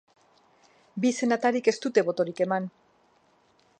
Bi senatarik ez dute botorik eman.